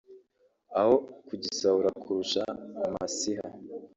aho kugisahura kurusha amasiha)